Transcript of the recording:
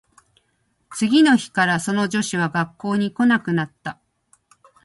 次の日からその女子は学校に来なくなった